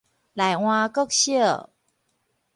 內垵國小